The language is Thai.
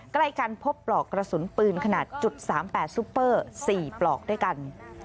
ใกล้กันพบปลอกกระสุนปืนขนาด๓๘ซุปเปอร์๔ปลอกด้วยกัน